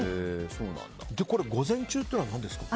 午前中というのはなぜですか？